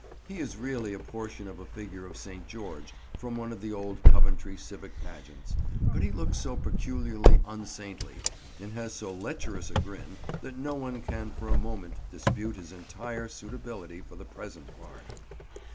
He is really a portion of a figure of St. George from one of the old Coventry civic pageants; but he looks so peculiarly unsaintly and has so lecherous a grin that no one can for a moment dispute his entire suitability for the present part.